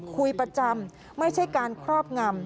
คุยประจำไม่ใช่การครอบงำ